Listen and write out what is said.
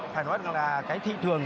phải nói là cái thị trường